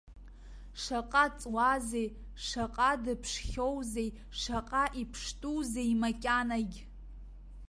Шаҟа ҵуазеи, шаҟа дыԥшхьоузеи, шаҟа иԥштәузеи макьанагь.